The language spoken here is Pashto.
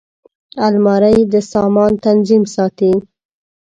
الماري د سامان تنظیم ساتي